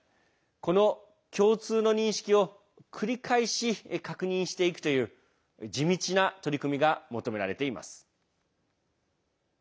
この共通の認識を繰り返し確認していくという地道な取り組みが求められています。